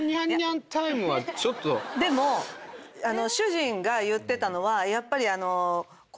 でも主人が言ってたのはやっぱり。